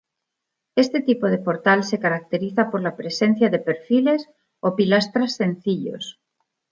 Este tipo de portal se caracteriza por la presencia de perfiles o pilastras sencillos.